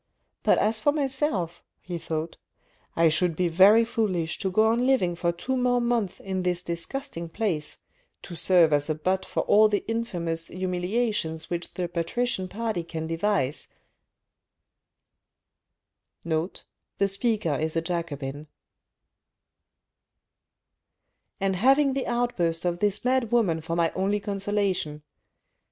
" But as for myself," he thought, " I should be very foolish to go on living for two more months in this disgusting place, to serve as a butt for all the infamous humiliations which the patrician party can devise,1 and having the outburst of this mad woman for my only consolation